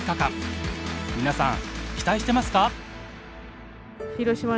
皆さん期待してますか？